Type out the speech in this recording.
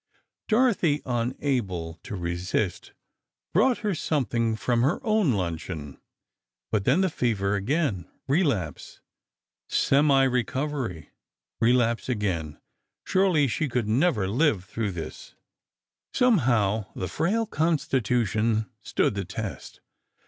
Dorothy, unable to resist, brought her something from her own luncheon ... but, then the fever again ... relapse ... semi recovery ... relapse again. Surely she could never live through this. Somehow the frail constitution stood the test.